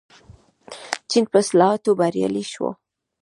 چین په اصلاحاتو بریالی شو.